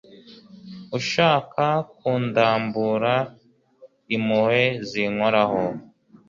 ushaka kundambura impuhwe zinkoraho